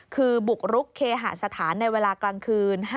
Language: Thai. คือบุกรุกเคหาสถานในเวลากลางคืน